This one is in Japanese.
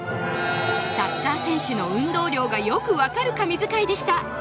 サッカー選手の運動量がよくわかる神図解でした